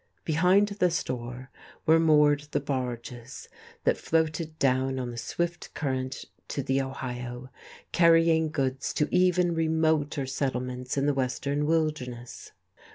Behind the store were moored the barges that floated down on the swift current to the Ohio, carrying goods to even remoter settlements in the western wilderness.